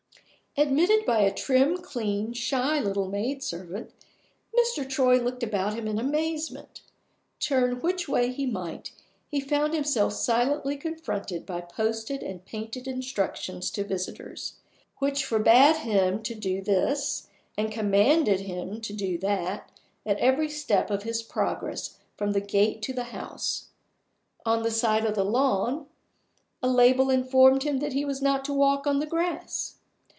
Admitted by a trim, clean, shy little maid servant, Mr. Troy looked about him in amazement. Turn which way he might, he found himself silently confronted by posted and painted instructions to visitors, which forbade him to do this, and commanded him to do that, at every step of his progress from the gate to the house. On the side of the lawn a label informed him that he was not to walk on the grass.